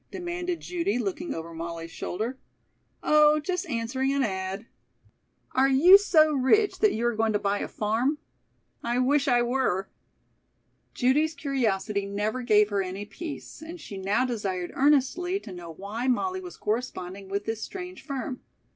demanded Judy, looking over Molly's shoulder. "Oh, just answering an ad." "Are you so rich that you are going to buy a farm?" "I wish I were." Judy's curiosity never gave her any peace, and she now desired earnestly to know why Molly was corresponding with this strange firm.